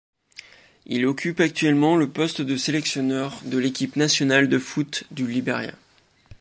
Il occupe actuellement le poste de sélectionneur de l'équipe nationale de foot du Libéria.